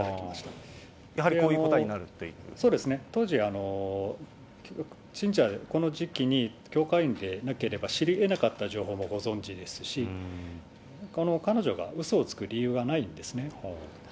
当時は信者、この時期に教会員でなければ知りえなかった情報もご存じですし、この彼女がうそをつく理由はないんですね。